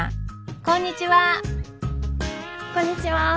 こんにちは！